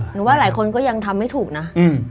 ว่าหลายคนก็ยังทำไม่ถูกนะ